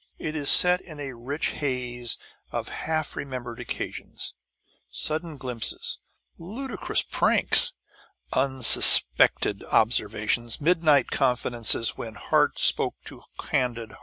It is set in a rich haze of half remembered occasions, sudden glimpses, ludicrous pranks, unsuspected observations, midnight confidences when heart spoke to candid heart.